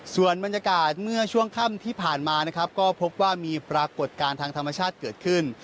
ส่วนบรรยากาศเมื่อช่วงค่ำที่ผ่านมานะครับก็พบว่ามีปรากฏการณ์ทางธรรมชาติเกิดขึ้น